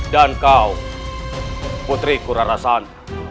dan kau putri kurarasan